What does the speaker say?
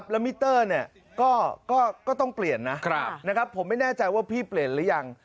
แล้วมิเตอร์ก็ต้องเปลี่ยนนะผมไม่แน่ใจว่าพี่เปลี่ยนหรือยัง